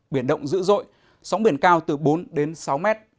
biển động dữ dội sóng biển cao từ bốn đến sáu mét